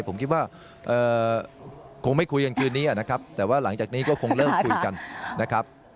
ผมคิดว่าคงไม่คุยกันคืนนี้นะครับแต่ว่าหลังจากนี้ก็คงเริ่มคุยกันนะครับ